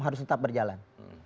harus tetap berjalan